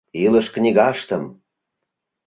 илыш книгаштым!